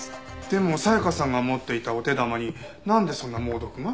でも紗香さんが持っていたお手玉になんでそんな猛毒が？